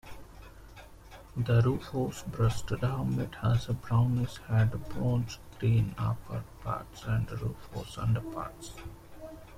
The rufous-breasted hermit has a brownish head, bronze-green upperparts and rufous underparts.